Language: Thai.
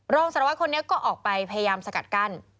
รองสารวัตคนนี้ก็ออกไปพยายามสกัดกั้น